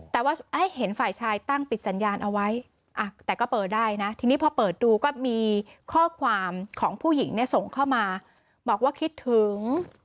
แต่ว่าให้เห็นฝ่ายชายตั้งปิดสัญญาณเอาไว้แต่ก็เปิดได้นะทีนี้พอเปิดดูก็มีข้อความของผู้หญิงเนี่ยส่งเข้ามาบอกว่าคิดถึง